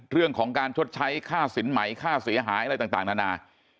เรื่องของการชดใช้ค่าสินใหม่ค่าเสียหายอะไรต่างนานา